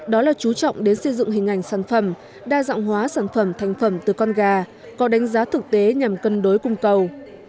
đó là chú trọng đến xây dựng hình ảnh sản phẩm đa dạng hóa sản phẩm thành phẩm từ con gà có đánh giá thực tế nhằm cân đối cung cầu